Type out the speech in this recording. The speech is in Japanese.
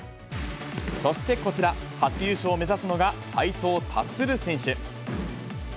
そしてこちら、初優勝を目指すのが斉藤立選手。